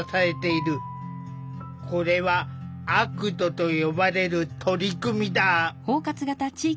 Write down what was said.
これはＡＣＴと呼ばれる取り組みだ。